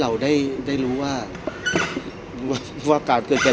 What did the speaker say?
พี่อัดมาสองวันไม่มีใครรู้หรอก